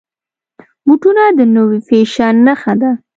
بوټونه د نوي فیشن نښه ده.